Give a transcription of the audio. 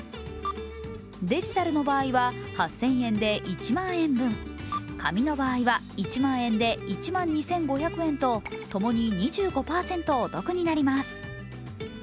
デジタルの場合は８０００円で１万円分紙の場合は１万円で１万２５００円とともに２５％お得になります。